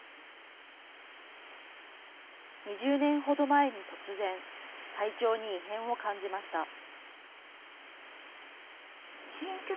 ２０年ほど前に突然、体調に異変を感じました。